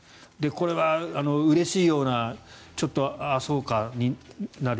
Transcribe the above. これはうれしいようなちょっと、ああそうかになる。